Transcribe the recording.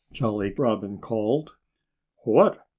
Jolly Robin called. "What!"